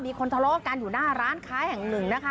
มีคนทะเลาะกันอยู่หน้าร้านค้าแห่งหนึ่งนะคะ